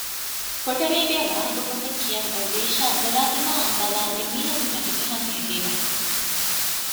ކޮޓަރީގައި ވާހަކަފޮތެއް ކިޔަން އޮތް ލީޝާ ދޮރާދިމާއަށް ބަލާލީ މީހަކު ޓަކިޖަހަން ހެދީމަ